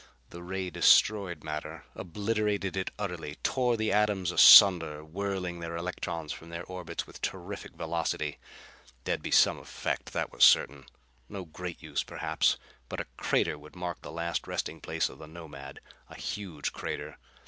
The ray destroyed matter. Obliterated it utterly. Tore the atoms asunder, whirling their electrons from their orbits with terrific velocity. There'd be some effect, that was certain! No great use perhaps. But a crater would mark the last resting place of the Nomad; a huge crater.